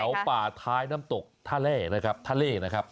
แถวป่าท้ายน้ำตกทะเลนะครับ